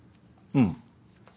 うん。